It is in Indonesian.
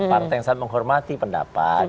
partai yang sangat menghormati pendapat